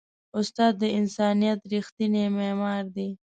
استاد د انسانیت ریښتینی معمار دی.